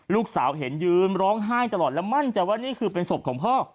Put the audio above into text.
ลูกสาวเห็นยืนร้องไห้ตลอดและมั่นใจว่านี่คือเป็นศพของพ่อ